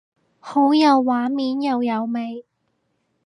好有畫面又有味